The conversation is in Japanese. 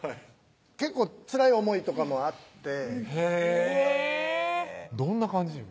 結構辛い思いとかもあってへぇどんな感じよ？